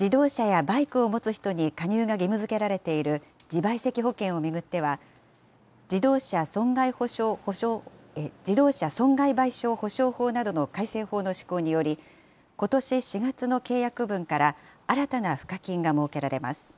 自動車やバイクを持つ人に加入が義務づけられている自賠責保険を巡っては、自動車損害賠償保障法などの改正法の施行により、ことし４月の契約分から、新たな賦課金が設けられます。